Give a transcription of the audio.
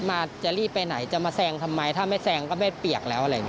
มาจะรีบไปไหนจะมาแซงทำไมถ้าไม่แซงก็ไม่เปียกแล้วอะไรอย่างนี้